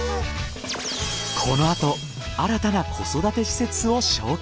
このあと新たな子育て施設を紹介。